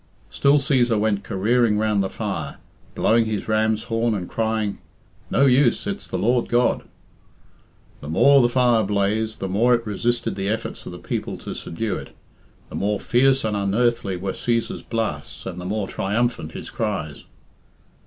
Still Cæsar went careering round the fire, blowing his ram's horn and crying, "No use! It's the Lord God!" The more the fire blazed, the more it resisted the efforts of the people to subdue it, the more fierce and unearthly were Cæsar's blasts and the more triumphant his cries.